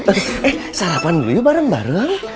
eh sarapan dulu yuk bareng bareng